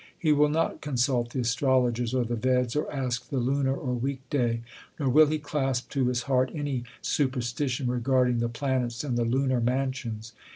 He will not consult the astrologers or the Veds, or ask the lunar or week day ; nor will he clasp to his heart any super stition regarding the planets and the lunar mansions.